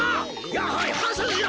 やはりはす次郎。